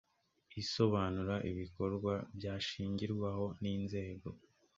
isobanura ibikorwa byashingirwaho n inzego